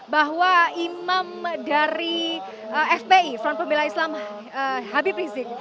bahwa imam dari fpi front pembela islam habib rizik